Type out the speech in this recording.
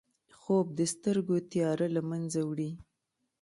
خوب د سترګو تیاره له منځه وړي